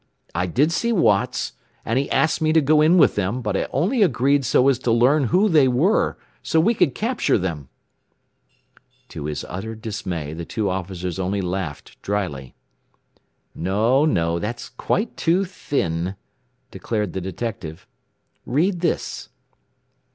I did see Watts, and he asked me to go in with them, but I only agreed so as to learn who they were, so we could capture them!" To his utter dismay the two officers only laughed drily. "No, no! That's quite too thin," declared the detective. "Read this."